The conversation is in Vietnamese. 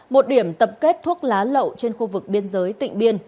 một điểm tập kết thuốc lá lậu trên khu vực biên giới tỉnh biên